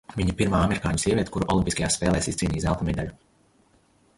Viņa ir pirmā amerikāņu sieviete, kura olimpiskajās spēlēs izcīnīja zelta medaļu.